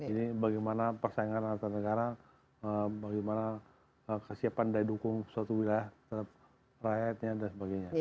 ini bagaimana persaingan antar negara bagaimana kesiapan daya dukung suatu wilayah terhadap rakyatnya dan sebagainya